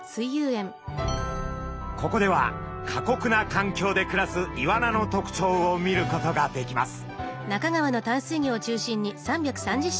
ここでは過酷な環境で暮らすイワナの特徴を見ることができます。